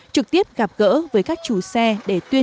trực tiếp gặp gỡ với các chú xe